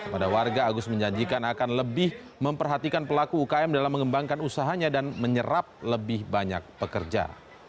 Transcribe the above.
pada warga agus menjanjikan akan lebih memperhatikan pelaku ukm dalam mengembangkan usahanya dan menyerap lebih banyak pekerja